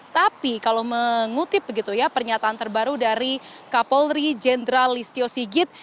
tapi kalau mengutip begitu ya pernyataan terbaru dari kapolri jenderal listio sigit